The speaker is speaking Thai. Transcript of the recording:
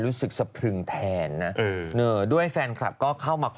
โอลี่คัมรี่ยากที่ใครจะตามทันโอลี่คัมรี่ยากที่ใครจะตามทัน